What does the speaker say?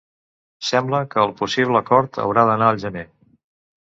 Sembla que el possible acord haurà d’anar al gener.